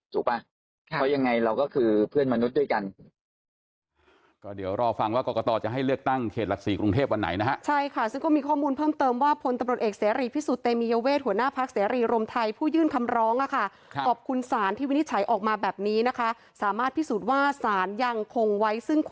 ป่ะเพราะยังไงเราก็คือเพื่อนมนุษย์ด้วยกัน